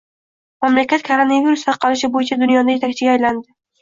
Mamlakat koronavirus tarqalishi bo‘yicha dunyoda yetakchiga aylandi